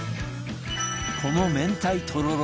この明太とろろ